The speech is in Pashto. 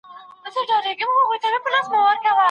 انسانان په فطري ډول ټولنیز موجودات دي.